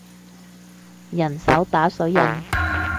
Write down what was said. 人手打水印